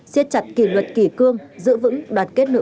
xiết chặt kỷ luật kỷ cương giữ vững đoàn kết nội bộ